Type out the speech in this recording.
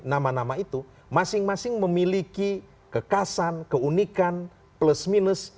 nama nama itu masing masing memiliki kekasan keunikan plus minus